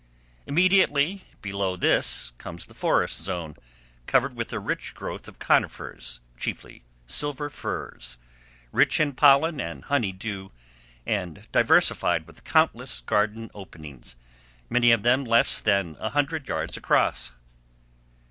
Immediately below this comes the forest zone, covered with a rich growth of conifers, chiefly Silver Firs, rich in pollen and honey dew, and diversified with countless garden openings, many of them less than a hundred yards across.